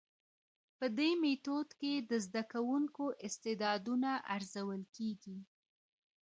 په دي ميتود کي د زده کوونکو استعدادونه ارزول کيږي.